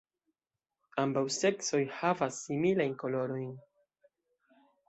Ambaŭ seksoj havas similajn kolorojn.